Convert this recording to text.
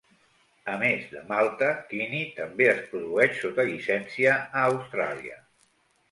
A més de Malta, Kinnie també es produeix sota llicència a Austràlia.